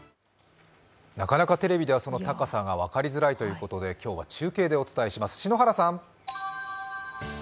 なかなかテレビでは、その高さが分かりづらいということで、今日は中継でお伝えします。